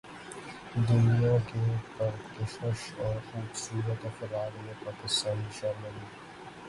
دنیا کے پرکشش اور خوبصورت افراد میں پاکستانی شامل